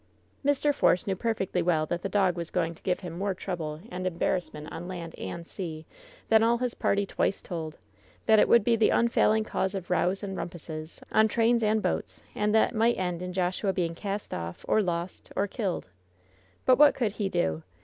Mr. Force knew perfectly well that that dog was going to give him more trouble and embarrassment on land and sea than all his party twice told ; that it would be the unfailing cause of rows and rumpuses, on trains and boats, and that might end in Joshua being cast oflF, or lost, or killed. But what could he do